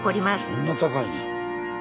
そんな高いねや。